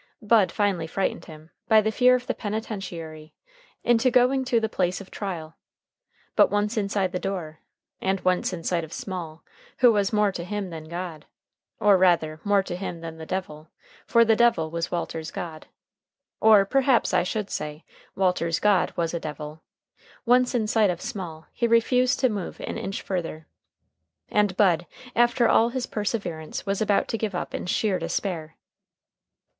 Bud finally frightened him, by the fear of the penitentiary, into going to the place of trial. But once inside the door, and once in sight of Small, who was more to him than God, or, rather, more to him than the devil for the devil was Walter's God, or, perhaps, I should say, Walter's God was a devil once in sight of Small, he refused to move an inch farther. And Bud, after all his perseverance, was about to give up in sheer despair.